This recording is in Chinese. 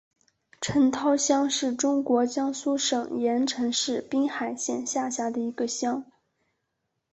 陈涛乡是中国江苏省盐城市滨海县下辖的一个乡。